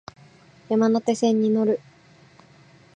山手線に乗る